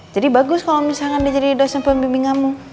jadi bagus kalo misalkan dia jadi dosen pembimbing kamu